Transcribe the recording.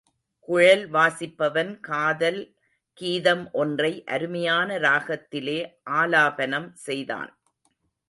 குழல் வாசிப்பவன் காதல் கீதம் ஒன்றை அருமையான ராகத்திலே ஆலாபனம் செய்தான்.